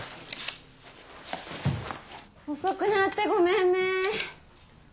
遅くなってごめんね。